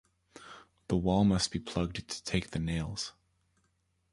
The wall must be plugged to take the nails.